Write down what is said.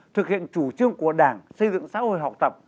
thực hiện chủ trương của đảng xây dựng xã hội học tập